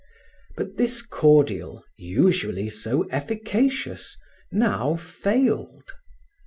But this cordial, usually so efficacious, now failed.